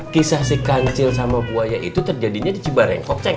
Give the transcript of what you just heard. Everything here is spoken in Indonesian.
kisah si kancil sama buaya itu terjadinya di cibareng